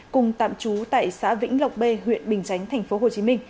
cùng tạm trú tại xã vĩnh lộc b huyện bình chánh tp hcm